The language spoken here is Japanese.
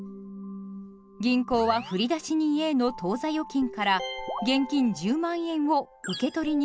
銀行は振出人Ａの当座預金から現金１０万円を受取人Ｂに支払います。